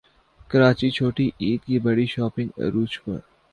کراچی چھوٹی عید کی بڑی شاپنگ عروج پر